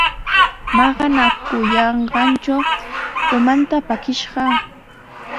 Maqanakuyanqantraw umanta pakiyashqa.